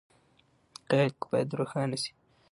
حقایق باید روښانه شي.